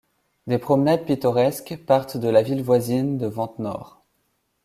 Des promenades pittoresques partent de la ville voisine de Ventnor.